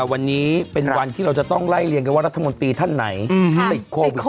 วันนี้เป็นวันที่เราจะต้องไล่เรียนกับวัฒนาธรรมนตรีท่านไหนครับติดโควิดโอ้โห